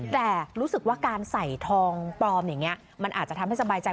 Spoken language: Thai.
แต่รู้สึกว่าการใส่ทองปลอมอย่างนี้มันอาจจะทำให้สบายใจ